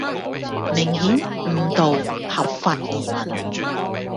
明顯誤導合法移民